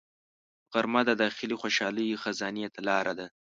غرمه د داخلي خوشحالۍ خزانې ته لار ده